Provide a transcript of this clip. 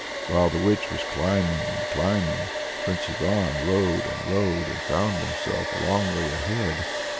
While the witch was climbing and clambering, Prince Ivan rode and rode, and found himself a long way ahead.